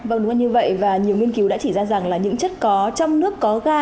vâng đúng không như vậy và nhiều nghiên cứu đã chỉ ra rằng là những chất có trong nước có ga